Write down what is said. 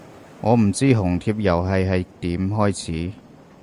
我唔知紅帖遊戲係點開始